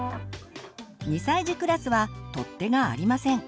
２歳児クラスは取っ手がありません。